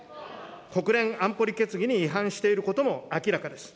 国連安保理決議に違反していることも明らかです。